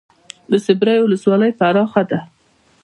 د صبریو ولسوالۍ پراخه ده